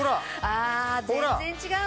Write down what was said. ああ全然違うね！